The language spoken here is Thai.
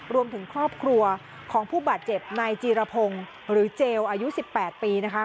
รวมถึงครอบครัวของผู้บาดเจ็บนายจีรพงศ์หรือเจลอายุ๑๘ปีนะคะ